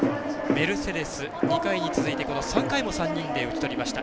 メルセデス２回に続いて３回も３人で打ち取りました。